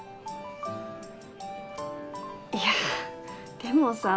いやでもさ